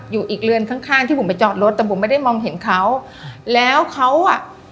อยู่อีกเรือนข้างข้างที่ผมไปจอดรถแต่ผมไม่ได้มองเห็นเขาแล้วเขาอ่ะ